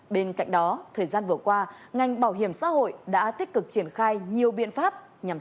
bên cạnh đó thời gian vừa qua ngành bảo hiểm xã hội đã tích cực triển khai nhiều biện pháp